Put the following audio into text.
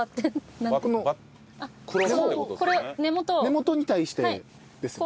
根元に対してですよね？